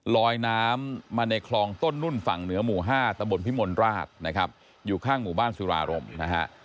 ลอยน้ำมาในคลองต้นนุ่นฝั่งเหนือหมู่๕ตะบนพิมลราชนะครับอยู่ข้างหมู่บ้านสุรารมนะฮะ